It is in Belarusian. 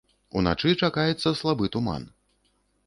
Уначы чакаецца слабы туман.